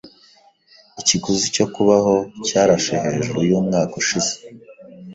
Ikiguzi cyo kubaho cyarashe hejuru yumwaka ushize.